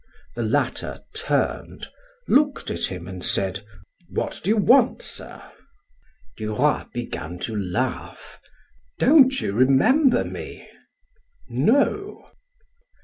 The latter turned, looked at him, and said: "What do you want, sir?" Duroy began to laugh: "Don't you remember me?" "No."